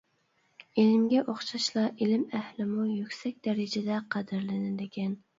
ئىلىمگە ئوخشاشلا، ئىلىم ئەھلىمۇ يۈكسەك دەرىجىدە قەدىرلىنىدىكەن.